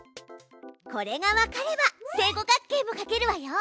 これがわかれば正五角形も描けるわよ！